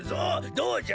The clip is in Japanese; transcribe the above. どうじゃ？